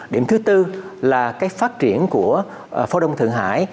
điểm thứ tư là cái phát triển của phố đông thượng hải